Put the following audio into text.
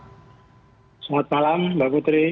selamat malam mbak putri